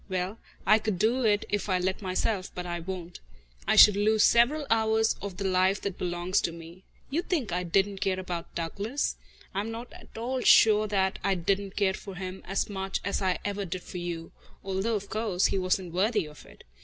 Well, I could do it if I let myself, but I won't. I should lose several hours of the life that belongs to me. You think I didn't care about Douglas? I am not at all sure that I didn't care for him as much as I ever did for you, although, of course, he wasn't worthy of it.